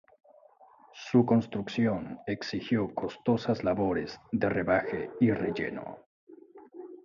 Su construcción exigió costosas labores de rebaje y relleno.